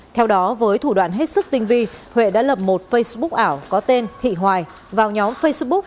theo đó với thủ đoạn hết sức tinh vi huệ đã lập một facebook ảo có tên thị hoài vào nhóm facebook